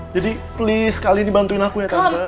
jadi please kali ini bantuin aku ya tante